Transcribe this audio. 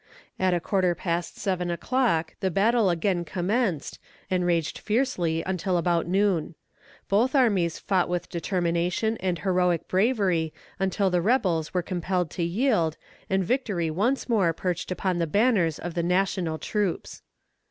At a quarter past seven o'clock the battle again commenced, and raged fiercely until about noon. Both armies fought with determination and heroic bravery until the rebels were compelled to yield, and victory once more perched upon the banners of the National troops.